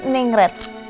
ini yang meret